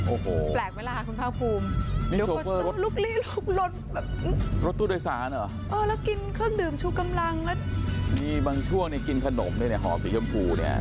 โอ้โหแปลกไหมล่ะคุณภาคภูมินี่โชเฟอร์รถลุกลี่ลุกลนแบบรถตู้โดยสารเหรอเออแล้วกินเครื่องดื่มชูกำลังแล้วมีบางช่วงนี่กินขนมด้วยเนี่ยห่อสีชมพูเนี่ย